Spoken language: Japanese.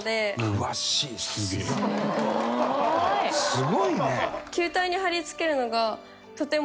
すごいね！